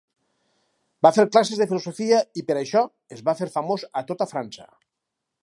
Va fer classes de filosofia i per això, es va fer famós a tota França.